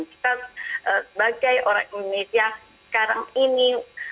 kita sebagai orang indonesia sekarang ini